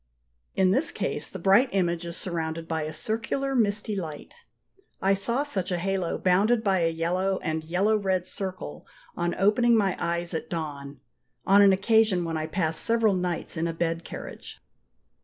In this case the bright image is surrounded by a circular misty light. I saw such a halo bounded by a yellow and yellow red circle on opening my eyes at dawn, on an occasion when I passed several nights in a bed carriage.